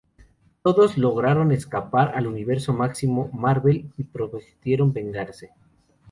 Todos lograron escapar al Universo Máximo Marvel y prometieron vengarse.